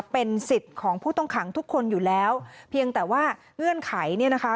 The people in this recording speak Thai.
เป็นสิทธิ์ของผู้ต้องขังทุกคนอยู่แล้วเพียงแต่ว่าเงื่อนไขเนี่ยนะคะ